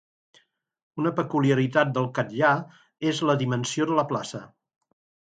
Una peculiaritat del Catllar és la dimensió de la plaça